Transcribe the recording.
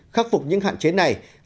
khắc phục những hạn chế này